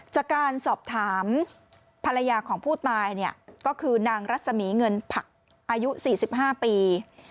จากการสอบถามภรรยาของผู้ตายเนี่ยก็คือนางรัศมีเงินผักอายุ๔๕ปี